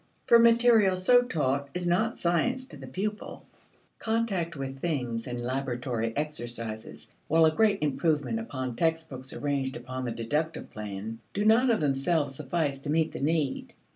For material so taught is not science to the pupil. Contact with things and laboratory exercises, while a great improvement upon textbooks arranged upon the deductive plan, do not of themselves suffice to meet the need.